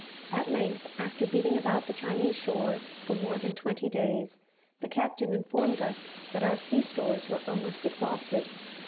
At length, after beating about the Chinese shores for more than twenty days, the captain informed us that our sea stores were almost exhausted.